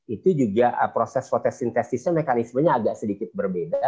itu juga proses fotosintesisnya mekanismenya agak sedikit berbeda